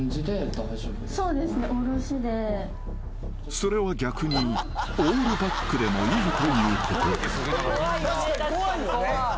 ［それは逆にオールバックでもいいということ］